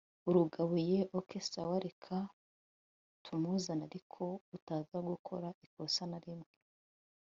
urugabo yeeeeeh! ok, sawa reka tumuzane ariko utaza gukora ikosa narimwe